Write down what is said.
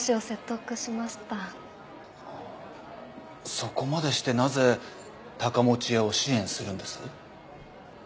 そこまでしてなぜ高持屋を支援するんです？